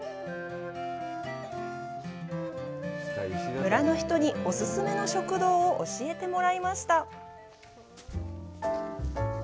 村の人にお勧めの食堂を教えてもらいました。